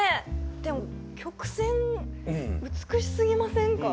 でも曲線美しすぎませんか？